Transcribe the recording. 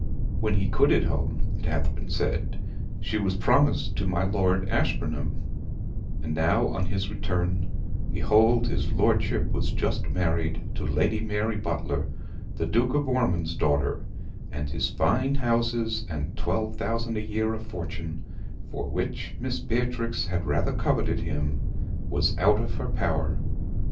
When he quitted home, it hath been said, she was promised to my Lord Ashburnham, and now, on his return, behold his lordship was just married to Lady Mary Butler, the Duke of Ormonde's daughter, and his fine houses, and twelve thousand a year of fortune, for which Miss Beatrix had rather coveted him, was out of her power.